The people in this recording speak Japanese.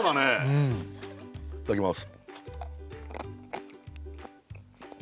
うんいただきます